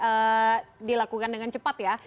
ini dilakukan dengan cepat ya